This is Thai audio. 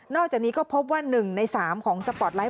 อกจากนี้ก็พบว่า๑ใน๓ของสปอร์ตไลท